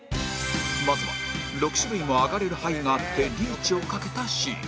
まずは６種類もアガれる牌があってリーチを懸けたシーン